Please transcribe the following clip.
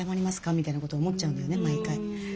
みたいなこと思っちゃうんだよね毎回。